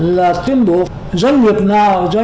là tuyên bố